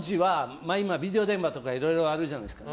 今はビデオ電話とかいろいろあるじゃないですか。